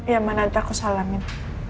ya ma nanti aku salamin